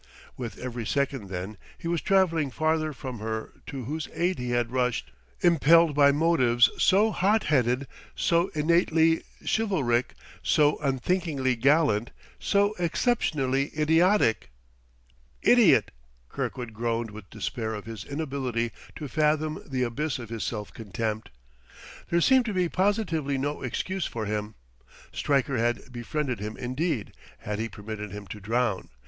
With every second, then, he was traveling farther from her to whose aid he had rushed, impelled by motives so hot headed, so innately, chivalric, so unthinkingly gallant, so exceptionally idiotic! Idiot! Kirkwood groaned with despair of his inability to fathom the abyss of his self contempt. There seemed to be positively no excuse for him. Stryker had befriended him indeed, had he permitted him to drown.